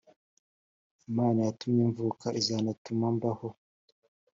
imana yatumye mvuka izanatuma mbaho.